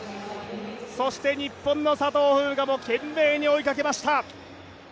そして、日本の佐藤風雅も懸命に追いかけました。